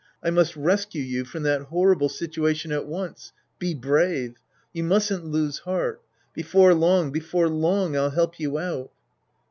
I must rescue you from that horrible situa tion at once. Be brave. You mustn't lose heart. Before long, before long, I'll help you out.